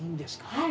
はい。